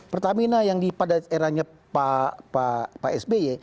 pertamina yang pada eranya pak sby